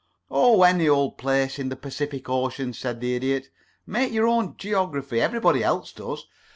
"Oh, any old place in the Pacific Ocean," said the Idiot. "Make your own geography everybody else does.